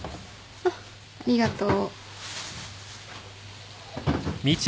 うんありがとう。